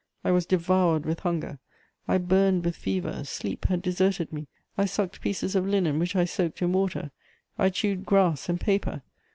I was devoured with hunger; I burned with fever; sleep had deserted me; I sucked pieces of linen which I soaked in water; I chewed grass and paper.